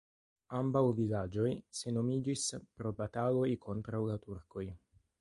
Ambaŭ vilaĝoj senhomiĝis pro bataloj kontraŭ la turkoj.